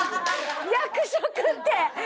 役職って。